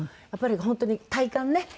やっぱり本当に体幹ね。